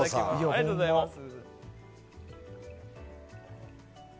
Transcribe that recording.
ありがとうございます。